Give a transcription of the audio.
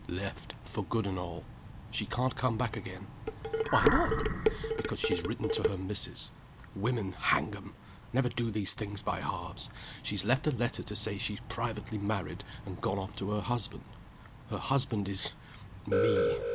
"Left, for good and all. She can't come back again." "Why not?" "Because she's written to her missus. Women (hang 'em!) never do these things by halves. She's left a letter to say she's privately married, and gone off to her husband. Her husband is Me.